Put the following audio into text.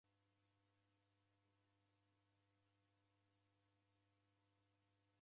Kudikua davika imbiri